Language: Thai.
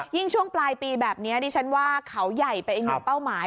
ช่วงปลายปีแบบนี้ดิฉันว่าเขาใหญ่เป็นอีกหนึ่งเป้าหมาย